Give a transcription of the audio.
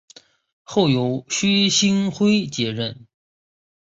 后由薛星辉接任。